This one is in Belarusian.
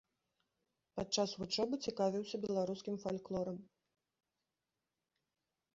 Падчас вучобы цікавіўся беларускім фальклорам.